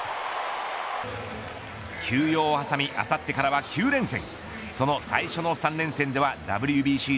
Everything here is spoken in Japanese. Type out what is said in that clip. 休養を挟みあさってからは９連戦。